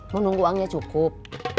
menunggu uangnya cukup